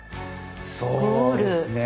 そうですね。